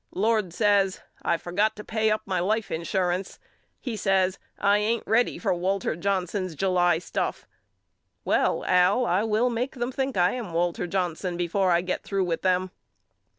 Lord says I forgot to pay up my life insurance. He says I ain't ready for Walter Johnson's July stuff. Well Al I will make them think I am Walter Johnson before I get through with them.